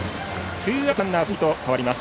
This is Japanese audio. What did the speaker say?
ツーアウト、ランナー、三塁と変わります。